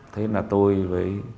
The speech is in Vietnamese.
thế là tôi với